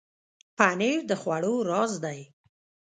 پنېر د خوړو راز دی.